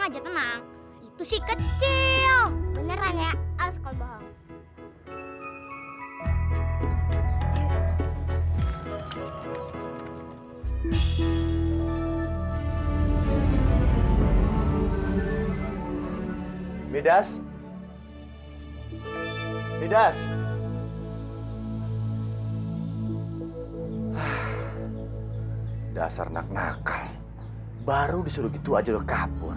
ayo pak silakan duduk